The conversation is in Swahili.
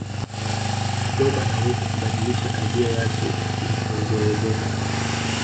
blob anaweza kubadilisha tabia yake iliyozoeleka